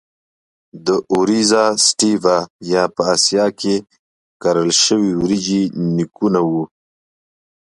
د Oryza sativa یا په اسیا کې کرل شوې وریجې نیکونه وو.